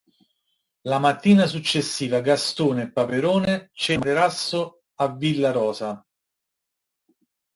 La mattina successiva Gastone e Paperone cercano il materasso a Villa Rosa.